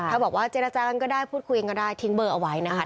ถ้าบอกว่าเจรจากันก็ได้พูดคุยกันก็ได้ทิ้งเบอร์เอาไว้นะคะ